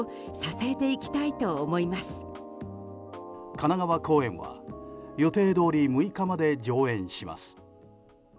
神奈川公演は、予定どおり６日まで上演します。